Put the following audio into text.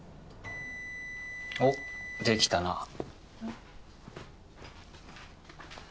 おっできたな。